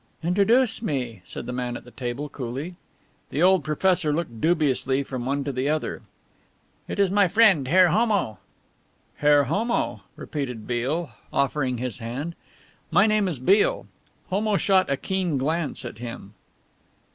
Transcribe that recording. "Introduce me," said the man at the table coolly. The old professor looked dubiously from one to the other. "It is my friend, Herr Homo." "Herr Homo," repeated Beale, offering his hand, "my name is Beale." Homo shot a keen glance at him.